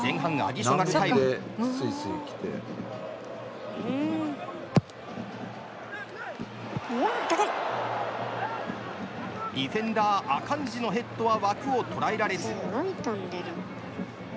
ディフェンダー、アカンジのヘッドは枠を捉えられず。